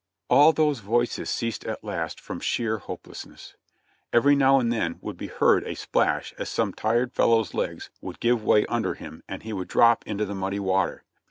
All those voices ceased at last from sheer hopelessness. Every now and then would be heard a splash as some tired fellow's legs would give way under him and he would drop into the muddy water.